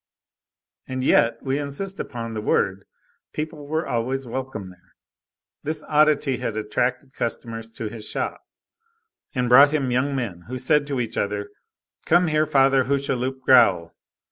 And yet, we insist upon the word, people were always welcome there. This oddity had attracted customers to his shop, and brought him young men, who said to each other: "Come hear Father Hucheloup growl."